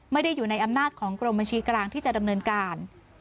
ไม่ได้อยู่ในอำนาจของกรมบัญชีกลางที่จะดำเนินการ